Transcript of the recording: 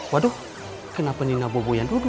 waduh kenapa nina bobo yang duduk